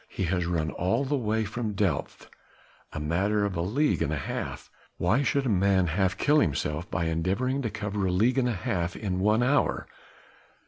He has run all the way from Delft a matter of a league and a half! Why should a man half kill himself by endeavouring to cover a league and a half in one hour?